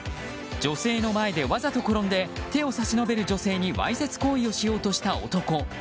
女性の前でわざと転んで手を差し伸べる女性にわいせつ行為をしようとした男。